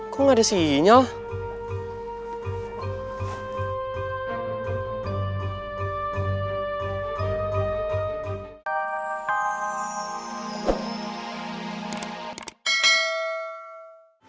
kok gak ada sinyal